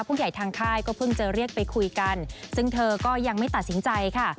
ทางค่ายก็เพิ่งจะเรียกไปคุยกันซึ่งเธอก็ยังไม่ตัดสินใจค่ะ